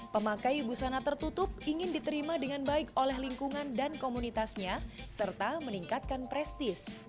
pemakai busana tertutup ingin diterima dengan baik oleh lingkungan dan komunitasnya serta meningkatkan prestis